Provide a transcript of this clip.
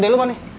gede lu mah nih